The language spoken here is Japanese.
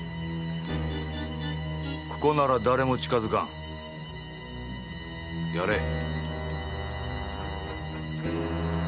ここなら誰も近づかん。